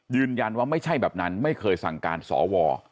ไม่ใช่แบบนั้นไม่เคยสั่งการสว